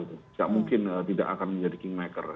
tidak mungkin tidak akan menjadi king maker